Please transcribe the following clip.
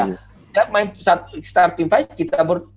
kita main starting phase